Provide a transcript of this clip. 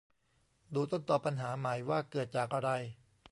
ดูต้นตอปัญหาไหม ว่าเกิดจากอะไร